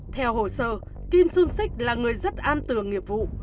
theo hồ sơ kim xuân xích là người rất an tường nghiệp vụ